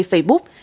các trang fanpage